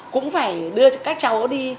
cũng phải đưa các cháu đi